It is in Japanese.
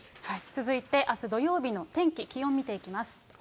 続いてあす土曜日の天気、気温見ていきます。